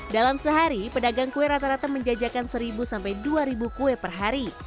dalam sehari pedagang kue rata rata menjajakan seribu sampai dua ribu kue per hari